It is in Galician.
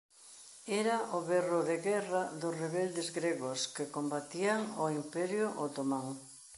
Era o berro de guerra dos rebeldes Gregos que combatían o Imperio Otomán.